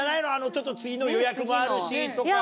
ちょっと次の予約もあるしとか。